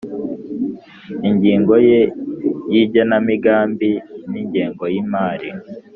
Ingingo ye y’Igenamigambi n ingengo y imari.